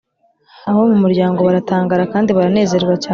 . Abo mu muryango baratangara, kandi baranezerwa cyane.